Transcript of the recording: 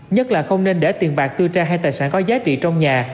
nhất là không nên để tiền bạc tư trang hay tài sản có giá trị trong nhà